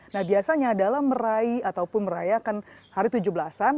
nah biasanya dalam meraih ataupun merayakan hari tujuh belas an